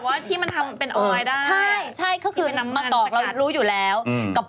ต้องมีพวกออยต้องอะไรสักอย่างเกี่ยวกับ